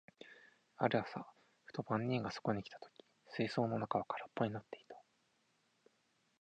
ある朝、ふと番人がそこに来た時、水槽の中は空っぽになっていた。